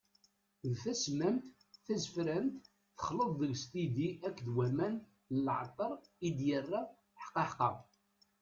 D tasemmamt, d tazefrant, texleḍ deg-s tidi akked waman n leɛṭer i d-yerra, ḥqaḥqa!